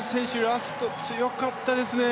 ラスト強かったですね。